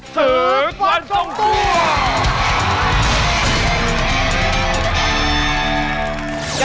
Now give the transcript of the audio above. สือกวันส่งตัว